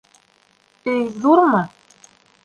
Өй ҙурмы?